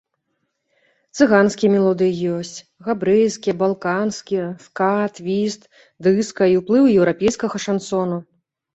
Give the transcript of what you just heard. Цыганскія мелодыі ёсць, габрэйскія, балканскія, ска, твіст, дыска і ўплывы еўрапейскага шансону.